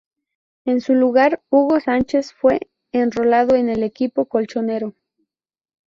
En su lugar Hugo Sánchez fue enrolado en el equipo colchonero.